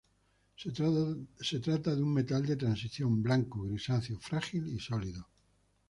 Se trata de un metal de transición blanco grisáceo, frágil y sólido.